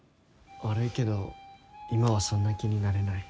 悪いけど今はそんな気になれない。